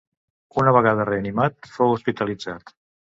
Una vegada reanimat, fou hospitalitzat.